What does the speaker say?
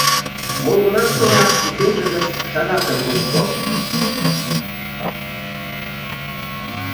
— Молгунамсылак кӱсенже гыч шагатым лукто.